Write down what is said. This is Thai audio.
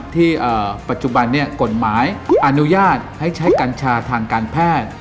ที่ปัจจุบันนี้กฎหมายอนุญาตให้ใช้กัญชาทางการแพทย์